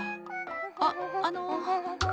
あっあの。